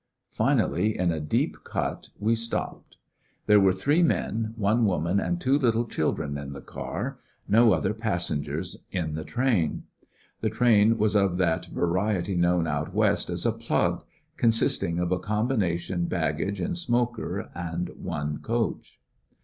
Finally, in a deep cut, we stopped. There were three men, one woman, and two little children in the car— no other passengers in the train. The train was of that variety known out West as a "plug," consisting of a combination baggage and smoker and one coach.